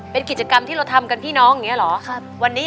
เป็นกิจกรรมที่เราทำกันพี่น้องอย่างนี้เหรอ